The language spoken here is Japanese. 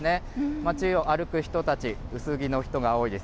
街を歩く人たち、薄着の人が多いです。